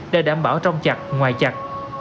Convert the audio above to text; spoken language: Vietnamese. để đảm bảo trong chặt ngoài chặt